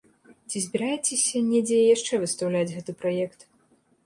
Ці збіраецеся недзе яшчэ выстаўляць гэты праект?